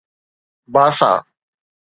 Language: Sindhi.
باسا